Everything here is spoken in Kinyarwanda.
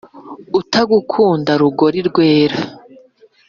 utagukunda rugori rwera